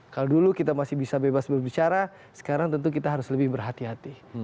kalau dulu kita masih bisa bebas berbicara sekarang tentu kita harus lebih berhati hati